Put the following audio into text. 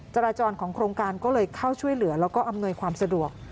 จราจรของโครงการก็เลยเข้าช่วยเหลือแล้วก็อำนวยความสะดวก